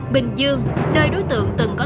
bình dương nơi đối tượng từng có